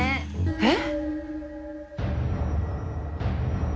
えっ！？